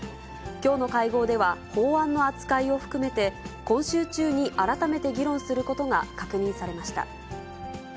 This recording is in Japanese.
きょうの会合では、法案の扱いを含めて今週中に改めて議論することが確認されました。